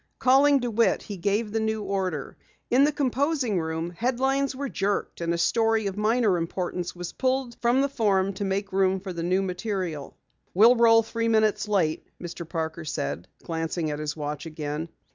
Calling DeWitt, he gave the new order. In the composing room, headlines were jerked and a story of minor importance was pulled from the form to make room for the new material. "We'll roll three minutes late," Mr. Parker said, glancing at his watch again.